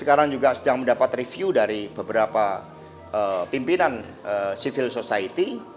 sekarang juga sedang mendapat review dari beberapa pimpinan civil society